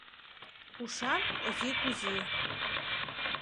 Ушан Ози Кузи.